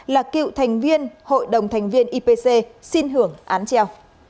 là cựu thành viên hội đồng thành viên ipc xin hưởng án treo